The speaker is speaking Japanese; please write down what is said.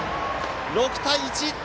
６対１。